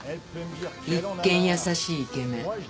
一見優しいイケメン。